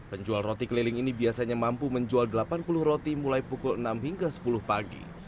penjual roti keliling ini biasanya mampu menjual delapan puluh roti mulai pukul enam hingga sepuluh pagi